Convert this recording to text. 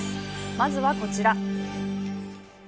まずはこちら。